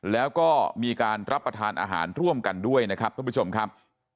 แล้วก็มีการรับประทานอาหารร่วมกันด้วยนะครับท่านผู้ชมครับ